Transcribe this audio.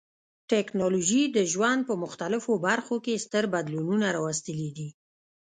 ټکنالوژي د ژوند په مختلفو برخو کې ستر بدلونونه راوستلي دي.